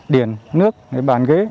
điển nước bàn ghế